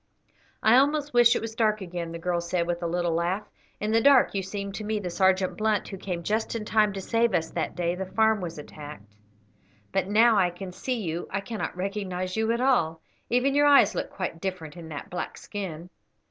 "I almost wish it was dark again," the girl said, with a little laugh; "in the dark you seem to me the Sergeant Blunt who came just in time to save us that day the farm was attacked; but now I can see you I cannot recognise you at all; even your eyes look quite different in that black skin."